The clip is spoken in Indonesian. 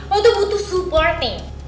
lo tuh butuh supporting